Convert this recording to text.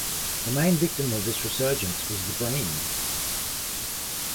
The main victim of this resurgence was the Green!